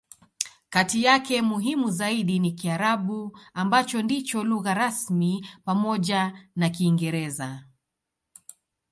Kati yake, muhimu zaidi ni Kiarabu, ambacho ndicho lugha rasmi pamoja na Kiingereza.